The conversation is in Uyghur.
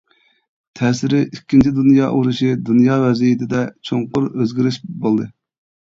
تەسىرى ئىككىنچى دۇنيا ئۇرۇشى دۇنيا ۋەزىيىتىدە چوڭقۇر ئۆزگىرىش بولدى.